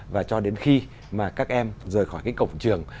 và cho đến khi mà các em rời khỏi cái cổng trường